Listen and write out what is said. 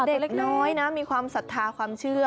เด็กน้อยนะมีความศรัทธาความเชื่อ